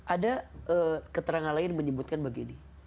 ada keterangan lain menyebutkan begini